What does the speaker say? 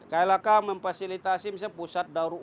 klk memfasilitasi misalnya pusat daur ulas